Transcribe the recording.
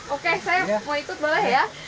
oke saya mau ikut boleh ya